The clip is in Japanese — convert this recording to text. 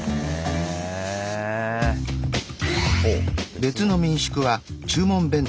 別の民宿兼注文弁当。